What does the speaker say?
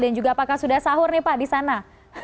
dan juga apakah sudah sahur nih pak disana